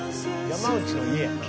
山内の家やな。